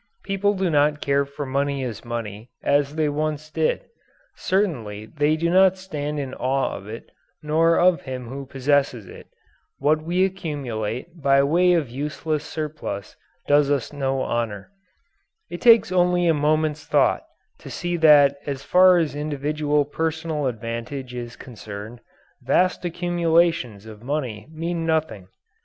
People do not care for money as money, as they once did. Certainly they do not stand in awe of it, nor of him who possesses it. What we accumulate by way of useless surplus does us no honour. It takes only a moment's thought to see that as far as individual personal advantage is concerned, vast accumulations of money mean nothing.